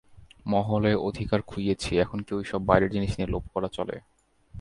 মহলে অধিকার খুইয়েছি, এখন কি ঐ-সব বাইরের জিনিস নিয়ে লোভ করা চলে?